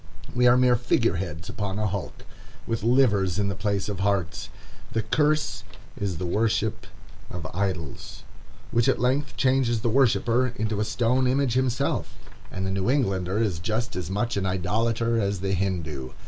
We are mere figure heads upon a hulk, with livers in the place of hearts. The curse is the worship of idols, which at length changes the worshipper into a stone image himself; and the New Englander is just as much an idolater as the Hindoo.